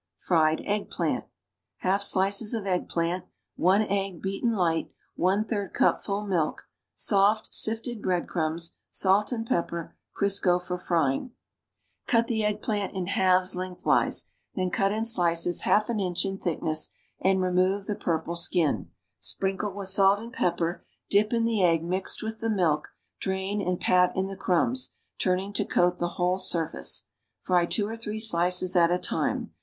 FRIED EGGPLANT half slices of eggplant soft, sifted bread crumbs i egg, beaten liglit salt and pepper '3 cupful milk Crisco for frying Cut the eggplant in halves lengthwise, then cut in slices half an inch in thick ness and remove the purple skin; sprinkle with salt and pepper, dip in the egg mixed with the milk, ilrain and pat in the crumbs, turning to eoat the whole surface. Fry two or three slices at a time.